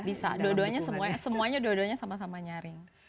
bisa dua duanya semuanya sama sama nyaring